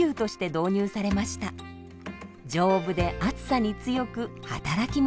丈夫で暑さに強く働き者。